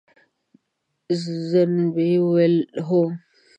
زينبې وويل: هو.